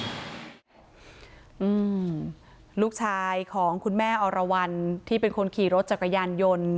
อืมลูกชายของคุณแม่อรวรรณที่เป็นคนขี่รถจักรยานยนต์